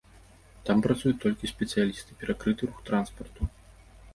Там працуюць толькі спецыялісты, перакрыты рух транспарту.